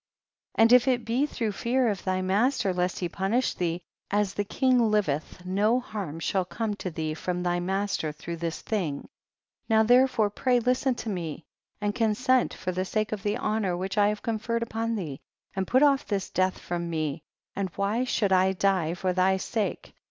And if it be through fear of thy master lest he punish thee, as the king liveth no harm shall come to thee from thy master through this thing ; now therefore pray listen to me, and consent for the sake of the honor which I have conferred upon thee, and put off this death from me, and why should I die for thy sake